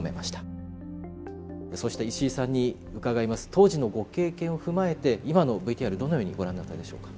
当時のご経験を踏まえて今のＶＴＲどのようにご覧になったでしょうか。